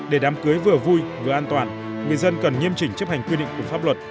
để đám cưới vừa vui vừa an toàn người dân cần nghiêm chỉnh chấp hành quy định của pháp luật